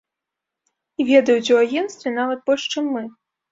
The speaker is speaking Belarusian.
І ведаюць у агенцтве нават больш, чым мы.